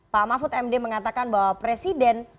pak mahfud md mengatakan bahwa presiden